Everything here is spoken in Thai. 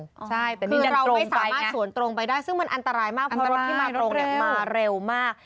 ใช่คือเราไม่สามารถสวนตรงไปได้ซึ่งมันอันตรายมากเพราะรถที่มาตรงมาเร็วมากคือเราไม่สามารถสวนตรงไปได้ซึ่งมันอันตรายมากเพราะรถที่มาตรงมาเร็วมาก